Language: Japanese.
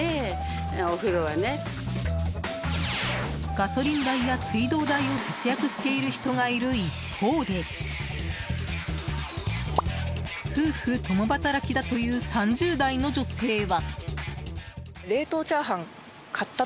ガソリン代や水道代を節約している人がいる一方で夫婦共働きだという３０代の女性は。